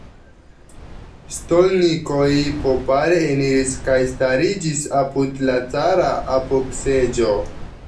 Stolnikoj popare eniris kaj stariĝis apud la cara apogseĝo.